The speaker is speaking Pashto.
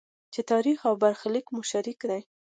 چې تاریخ او برخلیک مو شریک دی.